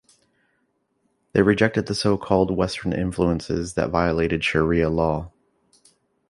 They rejected the so-called Western influences that violated Sharia law.